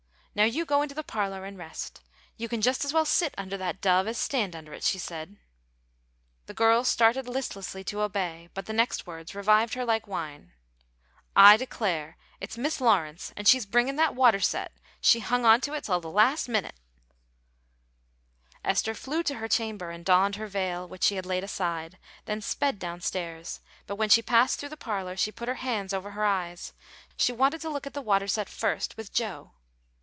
"Now you go into the parlor and rest. You can just as well sit under that dove as stand under it," she said. The girl started listlessly to obey, but the next words revived her like wine: "I declare it's Mis' Lawrence, and she's bringing that water set; she hung on to it till the last minit." Esther flew to her chamber and donned her veil, which she had laid aside, then sped down stairs; but when she passed through the parlor she put her hands over her eyes: she wanted to look at the water set first with Joe.